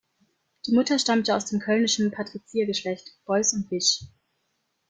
Die Mutter stammte aus dem kölnischen Patriziergeschlecht Bois und Wisch.